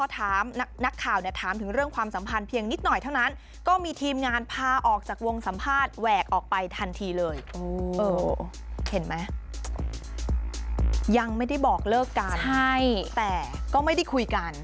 ทันทีเลยเห็นไหมยังไม่ได้บอกเลิกกันแต่ก็ไม่ได้คุยกัน